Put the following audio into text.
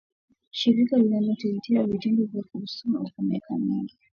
Shirika linalo tetea vitendo vya ufuska kwa miaka mingi